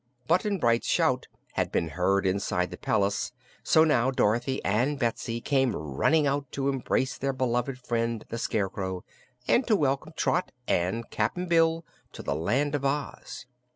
Button Bright's shout had been heard inside the palace, so now Dorothy and Betsy came running out to embrace their beloved friend, the Scarecrow, and to welcome Trot and Cap'n Bill to the Land of Oz.